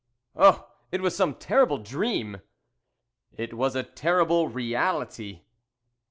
"Oh, it was some terrible dream!" "It was a terrible _reality.